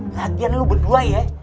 lagian lu berdua ya